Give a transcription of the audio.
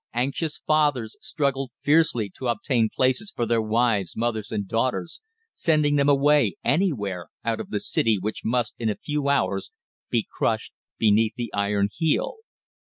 Anxious fathers struggled fiercely to obtain places for their wives, mothers, and daughters sending them away anywhere out of the city which must in a few hours be crushed beneath the iron heel.